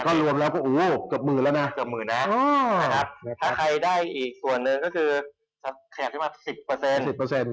ก็รวมแล้วก็เกือบ๑๐๐๐๐แล้วนะถ้าใครได้อีกส่วนหนึ่งก็คือ๑๐